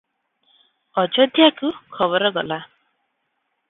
ଅଯୋଧ୍ୟାକୁ ଖବର ଗଲା ।